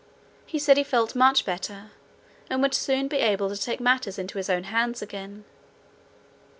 He said he felt much better, and would soon be able to take matters into his own hands again.